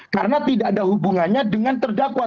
karena tidak ada hubungannya dengan terdakwa